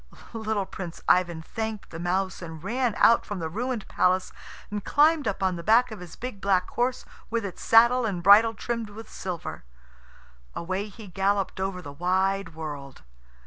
Little Prince Ivan thanked the mouse, and ran out from the ruined palace, and climbed up on the back of his big black horse, with its saddle and bridle trimmed with silver. Away he galloped over the wide world.